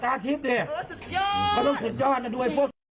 ตาตาทิพย์เนี่ยเค้าต้องสุดยอดนะด้วยพวก